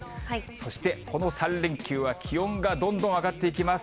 そして、この３連休は気温がどんどん上がっていきます。